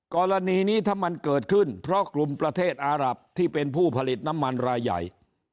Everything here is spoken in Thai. กรณีนี้ถ้ามันเกิดขึ้นเพราะกลุ่มประเทศอารับที่เป็นผู้ผลิตน้ำมันรายใหญ่